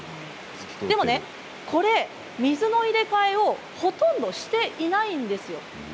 でもこれ水の入れ替えをほとんどしていないんです。